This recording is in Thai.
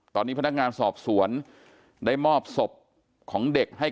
ตอนนี้พนักงานสอบสวนได้มอบศพของเด็กให้